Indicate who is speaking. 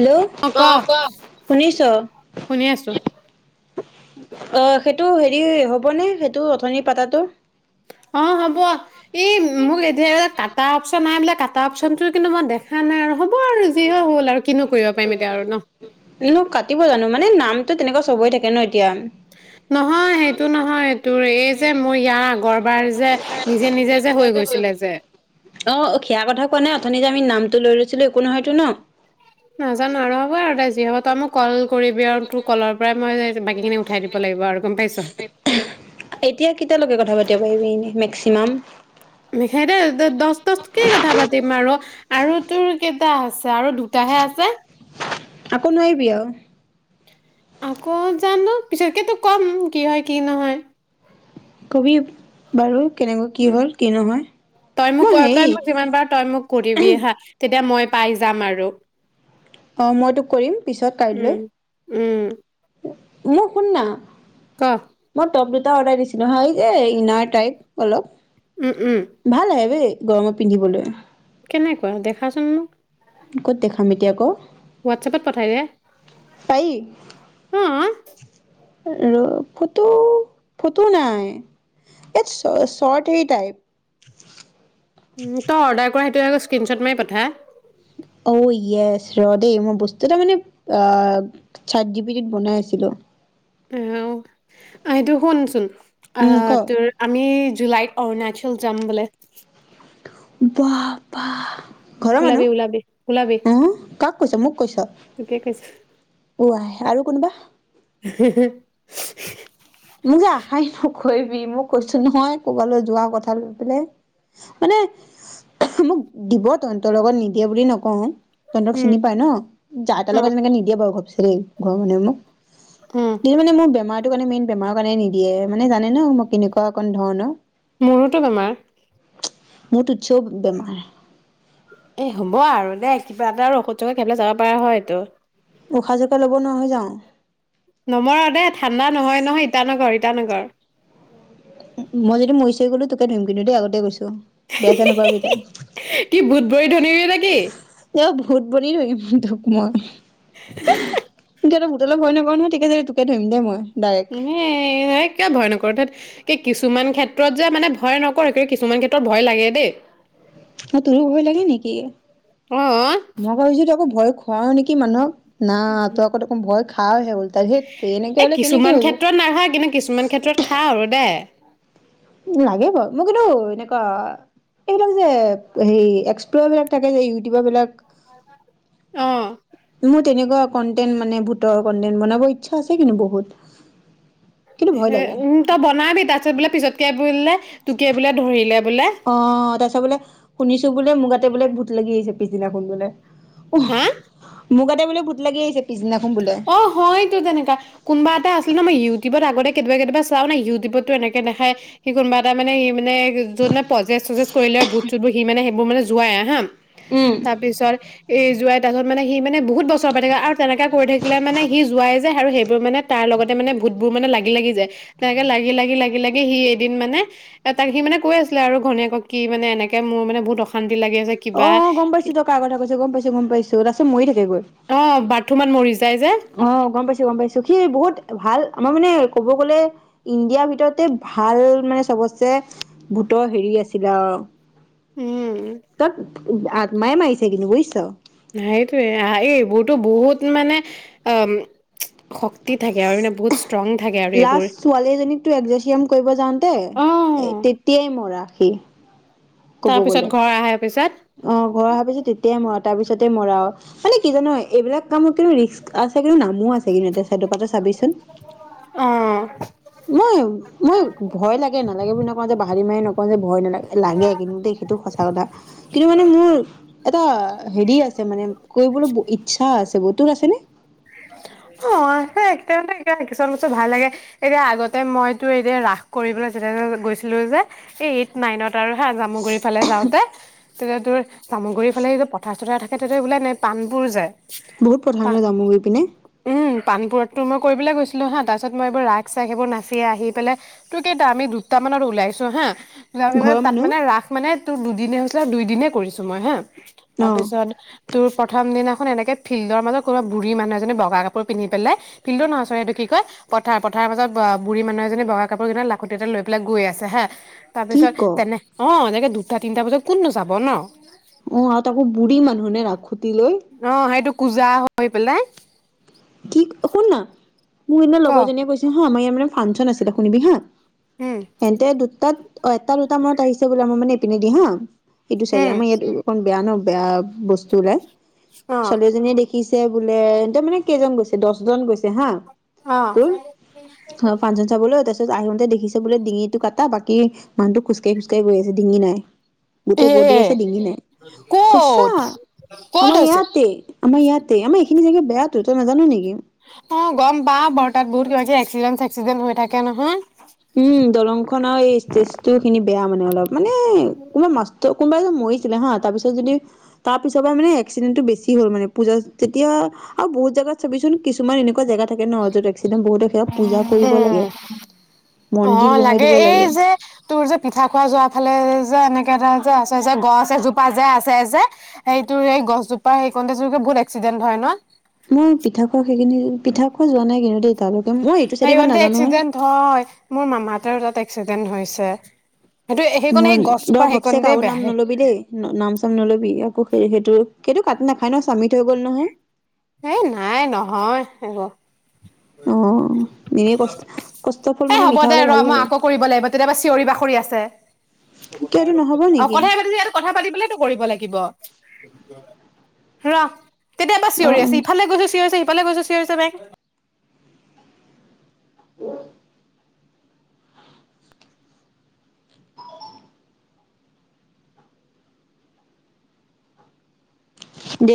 Speaker 1: Hello অ কোৱা শুনিছ অ
Speaker 2: শুনি আছো
Speaker 1: সেইটো হেৰি হ'বনে সেইটো অথনি পাতাটো
Speaker 2: অ হ'ব এই মোক এতিয়া কাটা অপচন নাই বোলে কটা অপশচনটো কিন্তু মই দেখা নাই আৰু হ এ যি হ'ল আৰু কিনো কৰিব পাৰিম এতিয়া আৰু ন
Speaker 1: মানুহটো তেনেকুৱা চবে থাকে ন এতিয়া
Speaker 2: নহয় সেইটো নহয় তোৰ এই যে মোৰ ইয়াৰ আগৰ
Speaker 1: অ অ
Speaker 2: যে
Speaker 1: সেইয়াৰ কথা কোৱা নাই অথনি যে আমি নাম টো লৈ ৰৈছিলো একো নহয়তো ন
Speaker 2: নাজানো আৰু হ'ব আৰু তাই যি হ'ব তই মোক কল কৰিবি আৰু তোৰ কলৰ পৰাই মই বাকী খিনি উঠাই দিব লাগিব আৰু গম পাইছো
Speaker 1: এতিয়া কেতিয়া লগে কথা পাতিব পাৰিবি এনে মেক্সিমাম
Speaker 2: মিখাইতে দছ ত কি কথা পাতিম আৰু আৰু তোৰ কেইটা আছে আৰু দুটাহে আছে
Speaker 1: আকৌ নোৱাৰিবি আৰু
Speaker 2: আকৌ জানো পিছতকেতো কম কি হয় কি নহয়
Speaker 1: কবি বাৰু কেনেকৈ কি
Speaker 2: উম
Speaker 1: হ'ল কি নহয়
Speaker 2: তই
Speaker 1: মই
Speaker 2: মোক তই
Speaker 1: হেৰি
Speaker 2: মোক যিমান পাৰ তই মোক কৰিবি হা তেতিয়া মই পাই যাম আৰু
Speaker 1: আহ মই তোক কৰিম পিছত
Speaker 2: উম
Speaker 1: কাইলৈ
Speaker 2: উম
Speaker 1: মোক শুন না
Speaker 2: কহ
Speaker 1: মই টপ দুটা অৰ্ডাৰ দিছিলো হয় যে ইনাৰ টাইপ অলপ
Speaker 2: উম উম
Speaker 1: ভাল হ ভ গৰমত পিন্ধিবলৈ
Speaker 2: কেনেকুৱা দেখাচোন মোক
Speaker 1: ক'ত দেখাম এতিয়া আকৌ
Speaker 2: হোৱাটচেপত পঠাই দে
Speaker 1: পাৰি
Speaker 2: অ [inaudible]
Speaker 1: ফটো ফটো নাই ইয়াত চৰ্ট সেই টাইপ
Speaker 2: তই অৰ্ডাৰ কৰা সেইটোৱে আকৌ স্ক্ৰীনশ্বট মাৰে পঠা
Speaker 1: অ য়েছ ৰ দেই মই বস্তু এটা মানে আহ চাট জি পিটিত বনাই আছিলো
Speaker 2: আহ আহটো শুনচোন অ
Speaker 1: উম ক
Speaker 2: তোৰ আমি জুলাইত অৰুণাচল জাম্বলে
Speaker 1: বাহ বাহ ঘৰৰ
Speaker 2: ওলাবি ওলাবি
Speaker 1: মানুহ আহ কক কৈছ মোক কৈছ
Speaker 2: তুকে কৈছোঁ
Speaker 1: কোৱা আৰু কোনোবা
Speaker 2: হ
Speaker 1: কৈবি মোক কৈছো নহয় ক'বালৈ যোৱা কথা লৈ পেলাই মানে মোক দিব তহতৰ লগত নিদিয়ে বুলি নকওঁ তহতক
Speaker 2: উম
Speaker 1: চিনি পায় ন যাৰ তাৰ
Speaker 2: উম
Speaker 1: লগত তেনেকে নিদিয়ে বাৰু ভাবছোন ত গনম
Speaker 2: উম
Speaker 1: [inaudible] মানে মোৰ বেমাৰটো কাৰণে মেইন তোমাৰ কাৰণে নিদিয়ে মানে জানে ন মই কেনেকুৱা অকন ধৰণৰ
Speaker 2: মোৰোতো বেমাৰ।
Speaker 1: [unintelligible] বেমাৰ
Speaker 2: এ, হ'ব আৰু দে কিবা এটা আৰু ঔষধ চৌষধ খাই যাব পৰা হয়তো।
Speaker 1: উশাহ চোশাহ ল'ব নোৱাৰা হৈ যাওঁ।
Speaker 2: নমৰ দে ঠাণ্ডা নহয়, নহয় ইটানগৰ ইটানগৰ
Speaker 1: মই যদি ময়ি চয়ি গ'লো তোকে ধুয়িম কিন্তু দেই, আগতেই গৈ বেয়া চেয়া নাপাবি তাত
Speaker 2: কি বুধবৰী ধনৰি নেকি
Speaker 1: [unintelligible] বনি ধৰিম তোক মই। [unintelligible] তই ভূটলে ভয় নকৰ নহয়, ঠিকেই আছে যদি তোকে ধৰিম দে মই। ডাইৰেক্ট।
Speaker 2: এনেই কিয় ভয় নকৰ? ধেত কি, কিছুমান ক্ষেত্ৰত যে, মানে ভয় নকৰ, কিছুমান ক্ষেত্ৰত ভয় লাগে দেই।
Speaker 1: অ', তোৰো ভয় লাগে নেকি?
Speaker 2: অ
Speaker 1: মই আকৌ ভাবিছোঁ তই আকৌ ভয় খুৱাও নেক কি মানুহক না ত' আকৌ দেখোন ভয় খাওঁহে উল্টাই ধেত এনেকে
Speaker 2: এ
Speaker 1: হ'লে কেনেকে
Speaker 2: কিছুমান
Speaker 1: হ'ব
Speaker 2: ক্ষেত্ৰত নাখাওঁ কিন্তু কিছুমান ক্ষেত্ৰত খাওঁ আৰু দে
Speaker 1: লাগে বাউ মোৰ কিন্তু এনেকুৱা, এইবিলাক যে, হেয়ি এক্সপ বিলাক থাকে যে, ইউ দিব বিলাক,
Speaker 2: অ
Speaker 1: মোৰ তেনেকুৱা কন্টেন মানে ভূটৰ কনন্টেন বনাব ইচ্ছা আছে কিন্তু বহুত কিন্তু ভয় লাগে
Speaker 2: উম, তই বনাবি তা বোলে পিছতকে বোলে তোকে, বোলে ধৰিলে বোলে।
Speaker 1: শুনিচ বোলে মুগাটে বোলে ভূট লাগি আহিছে পিছদিনাখন বোলে
Speaker 2: হা
Speaker 1: [unintelligible] মোৰ গাতে বোলে ভূত লাগি আহিছিলে পিছদিনা
Speaker 2: অ', হয়টো তেনেকা কোনোবা এটা আছিলে ন' মই ইউটিউবত আগতে কেতিয়াবা কেতিয়াবা চাওঁ ন' ইউটিবটো এনেক দেখাই সি কোনোবা এটা মানে মানে যোনে প্ৰজেচ চজেচ কৰিলে আৰু মূট চুট বোৰ সি মানে সেইবোৰ মানে যোৱাই হা
Speaker 1: উম
Speaker 2: তাৰপিছত, এই যোৱা তাৰ পিছত মানে সি মানে বহুত বছৰ পাই থাকে আৰু তেনেকে কৰি থাক কিলে মানে সি জোঁৱাই যে আৰু সেইবোৰ মানে তাৰ লগতে মানে ভূত বোৰ মানে লাগিলাগি যায়, তেনেকে লাগি, লাগি, লাগি, লাগি সি এদিন মানে, তাক সি মানে কৈ আছিলে আৰু ঘৈনীয়েকক কি মানে এনেকে মোৰ মানে বহুত অশান্ত
Speaker 1: অ', অ', গম পাইছো তই কাৰ কথা কৈছ গম পাইছো, গম পাইছো তাৰ পাছত মৰি থাকে গৈ।
Speaker 2: অ বাথৰুমত মৰি যায় যে
Speaker 1: অ', গম পাইছো, গম পাইছো সি বহুত ভাল মই মানে ক'ব গ'লে, ইণ্ডিয়াৰ ভিতৰতে ভাল মানে চবটচে ভূতৰ হেৰি আছিলে আৰু।
Speaker 2: উম।
Speaker 1: [unintelligible] মায়ে মাৰিছে কিন্তু বুজিছ।
Speaker 2: সেইটোয়ে, এই এইবোৰতো বহুত মানে শক্তি থাকে আৰু মানে বহুত ষ্ট্ৰং থাকে আৰু এইবোৰ
Speaker 1: লাষ্ট ছোৱালী এজনীকো একজেচিয়াম কৰিব যাওঁতে,
Speaker 2: অ
Speaker 1: এ তেতিয়াই মৰা।। সেই ক'ব
Speaker 2: তাৰপিছত
Speaker 1: গ'লে।
Speaker 2: ঘৰ আহাৰ পিছত
Speaker 1: অ', মই ভাবিছোঁ তেতিয়াই ম তাৰ পিছতে মৰাও, মানে কি জান এইবিলাক কামত কিন্তু ৰিস্ক আছে কিন্তু নামো আছে কিন্তু এটা ছাইডপা তই চাবি ছো [inaudible]
Speaker 2: অ।
Speaker 1: মই, মই ভয় লাগে নালাগে বুলি নকওঁ যে বাহাদুৰি মাৰি নকওঁ যে ভয় নালাগে, লাগে কিন্তু সেইটো সঁচা কথা। কিন্তু মানে মোৰ এটা হেৰি আছে মানে কৰিবলৈ ব-ইচ্ছা আছে। তোৰ আছেনে?।
Speaker 2: অ কিছুমান বস্তু ভাল লাগে, এতিয়া আগতে মইতো এতিয়া ৰাস কৰিবলৈ যেতিয়া গৈছিলো যে, এই এইট নাইনত আৰু হা, জামুগুৰি ফালে যাওঁতে তেতিয়া তোৰ জামুগুৰীৰ ফালে এইটো পথাৰ-চথাৰ থাকে তেতিয়া বোলে নে-পামবোৰ যে
Speaker 1: বহুত পথাৰ
Speaker 2: পাণ
Speaker 1: ন জামুগুৰি পিনে?।
Speaker 2: উম, পামবোৰতটো মই কৰি পেলাই গৈছিলোঁ হাঁ, তাৰপিছত মই এইবোৰ ৰাস চাই সেইবোৰ নাচিয়ে আহি পেলাই তোৰ কেইটা আমি দুটামানত ওলাইছোঁ হাঁ। যাওঁতে মানে,
Speaker 1: ঘৰৰ
Speaker 2: তাত
Speaker 1: মানুহ
Speaker 2: মানে, ৰাস মানে তোৰ দুদিনে হৈছিলে আৰু দুই দিনে কৰিছো মই হা।
Speaker 1: অ
Speaker 2: তাৰপিছত তোৰ প্ৰথম দিনা এনেকে ফিল্ডৰ মাজত কোনোবা বুঢ়ী মানুহ এজনী বাউ বগা কাপোৰ পিন্ধি পেলাই ফিল্ডৰ নচৰাইটো কি কয়, পথাৰ-পথাৰ মাজত বা-বুঢ়ী মানুহ এজনী বগা কাপোৰ কেতেমান লাখূটি এটা লৈ পেলাই গৈ আছে হা। তাৰ
Speaker 1: কি
Speaker 2: পিছত,
Speaker 1: ক
Speaker 2: তেনে, অ', এনেকে দুটা তিনটা বজাত কোননো যাব ন।
Speaker 1: অ', আৰু তাকো বুঢ়ী মানুহ নে লাখুতি লৈ।
Speaker 2: অ', সেইটো কুজা হৈ পেলাই।
Speaker 1: কি, শুন না। - মোৰ সিদিনা
Speaker 2: ক
Speaker 1: লগজনীয়ে কৈছে হা, আমাৰ ইয়াৰ মান ফাংচন আছিলে, শুনিবি হা।
Speaker 2: উম,
Speaker 1: তেন্তে দুটাত অ এটা দুটা মৰত আহিছে বোলে মই মানে ইপিনে দি হা এইটো চাৰি
Speaker 2: উম,
Speaker 1: আমাৰ ইয়াত অকণ বেয়া ন বেয়া বস্তু ওলাই
Speaker 2: অ',
Speaker 1: ছোৱালীজনীয়ে দেখি শিকিছে বোলে এন্তে মানে কেইজন গৈছে দহজন গৈছে হা
Speaker 2: অ'।
Speaker 1: তোৰ অঁ ফাংচন চাবলৈ ত আহোতে দেখিছ বোলে ডিঙিতটো কা বাক মানুহজনৰ খোজকাঢ় গৈ আছে ডিঙি নাই
Speaker 2: এ
Speaker 1: গোটেই বৰ্ দি আছে ডিঙি নাই সঁচা
Speaker 2: ক'ত ক'ত
Speaker 1: আমাৰ
Speaker 2: হৈছে
Speaker 1: ইয়াতে আমাৰ ইয়াতে আমাৰ সখিনি বেয়া তত নাজানো নেকি!
Speaker 2: অঁ গম পা ৰ্তাত বহুত ক হৈছে এক্সিডেণ্ট চেক্সিডেণ্ট হৈ থাকে নহয়
Speaker 1: উম, দলংখন আৰু এই ষ্টেজটো খিনি বেয়া মানে অলপ মছিলে হা তাৰ পিছ যদি তাৰ পিছৰ পৰা মানে এক্সিডেণ্টটো বেছি হ'ল মানে পূজা তেতিয়া আৰু বহুত জোগাত চবিচোন কিছুমান এনেকুৱা জেগাত থাকে ন অ যত এক্সটেণ্ড বহুত পূজা কৰিব লাগে মন্দিৰ
Speaker 2: অঁ
Speaker 1: বহাই
Speaker 2: লাগে
Speaker 1: দিব
Speaker 2: এই যে তোৰ যে পিঠা খোৱা যোৱা ফালে যে এনে টা যে আছে গছ আছেজোপা যে আছে যে সেইটোোৰ সেই গছজোপা সেইকণোৰ বহুত এক্সিডেন্ট হয় ন
Speaker 1: মই পিঠা খোৱা সেইখিনি পিঠা খোৱা যোৱা নাই কিন্তু দেই তালৈকে মই এইটো চাইডে ইমান
Speaker 2: সতে
Speaker 1: নাজানো
Speaker 2: এক্সিডেন্ট হয় মোৰ মামাহতেৰ তাত এক্সিডেণ্ট ন হৈছে। সেইটো
Speaker 1: কি
Speaker 2: সেইকণ সেই
Speaker 1: হ'ল দ
Speaker 2: গছজোপা
Speaker 1: ঘপচ
Speaker 2: সেইকণতে
Speaker 1: কাও
Speaker 2: বেয়া
Speaker 1: নাম
Speaker 2: হে
Speaker 1: নলবি দেই নাম চাম নলবি আকৌ সেই সেইটো সেইটো কাটি নাখায় ন চামিত হৈ গ'ল নহয়
Speaker 2: এ নাই নহয় এব
Speaker 1: অ এনেই কষ্ট কষ্টৰ ফল
Speaker 2: এই
Speaker 1: মানে
Speaker 2: হ'ব
Speaker 1: মিঠা
Speaker 2: দে
Speaker 1: হলে
Speaker 2: ৰ
Speaker 1: ভাল
Speaker 2: মই
Speaker 1: লাগে
Speaker 2: আকৌ কৰিব লাগিব কেতিয়াবা চিঞৰি বাকৰি আছে
Speaker 1: কিয় এইটো নহব নেকি
Speaker 2: কথাই পাতি যে কথা পাতি বেলাই ত কৰিব লাগিব ৰহ কেতিয়াবা
Speaker 1: অ
Speaker 2: চিঞৰি
Speaker 1: অ
Speaker 2: আছে ইফালে গৈছো চিঞৰি চে ইফালে গৈছো চিঞৰিছে বেংক
Speaker 1: [unintelligible] দে